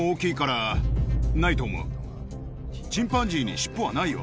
チンパンジーにしっぽはないよ。